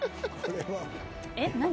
えっ何？